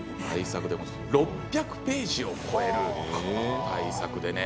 ６００ページを超えるんです。